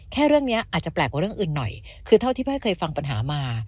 แค่เรื่องนี้อาจจะแปลกกว่าเรื่องอื่นหน่อยคือเท่าที่พี่อ้อยเคยฟังปัญหามา